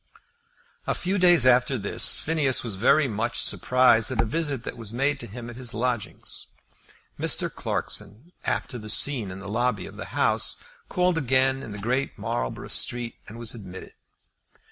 A few days after this Phineas was very much surprised at a visit that was made to him at his lodgings. Mr. Clarkson, after that scene in the lobby of the House, called again in Great Marlborough Street, and was admitted.